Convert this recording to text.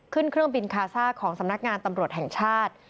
เครื่องบินคาซ่าของสำนักงานตำรวจแห่งชาติ